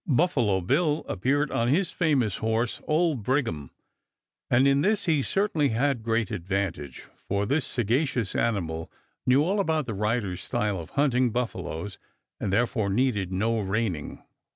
Buffalo Bill appeared on his famous horse Old Brigham; and in this he certainly had great advantage, for this sagacious animal knew all about his rider's style of hunting buffaloes, and therefore needed no reining.